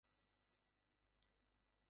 তিনি ছদ্মনামে রচনা করেন ।